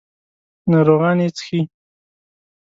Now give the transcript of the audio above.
ناروغان یې څښي.